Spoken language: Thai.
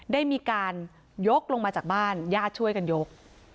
ได้มีการยกลงมาจากบ้านญาติช่วยกันยก